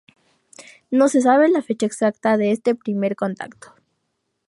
No se sabe la fecha exacta de este primer contacto.